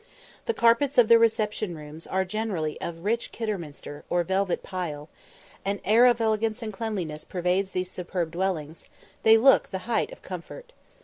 The carpets of the reception rooms are generally of rich Kidderminster, or velvet pile; an air of elegance and cleanliness pervades these superb dwellings; they look the height of comfort.